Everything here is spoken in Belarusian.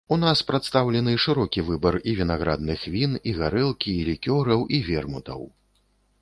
У нас прадстаўлены шырокі выбар і вінаградных він, і гарэлкі, і лікёраў, і вермутаў.